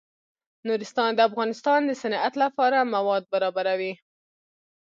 نورستان د افغانستان د صنعت لپاره مواد برابروي.